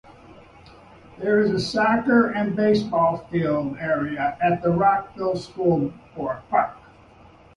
There is a soccer and baseball field area at the Rockville School Park.